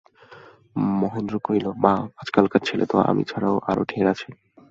মহেন্দ্র কহিল, মা, আজকালকার ছেলে তো আমি ছাড়াও আরো ঢের আছে।